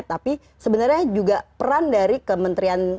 tapi sebenarnya juga peran dari kementerian